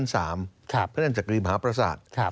เพราะฉะนั้นจักรีมหาประสาท